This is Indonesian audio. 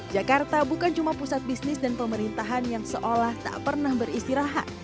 jakarta bukan cuma pusat bisnis dan pemerintahan yang seolah tak pernah beristirahat